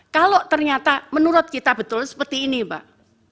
kalau ternyata menurut kita betul seperti ini pak